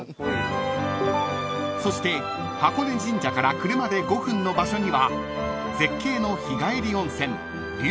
［そして箱根神社から車で５分の場所には］